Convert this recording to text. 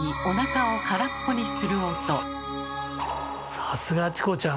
さすがチコちゃん！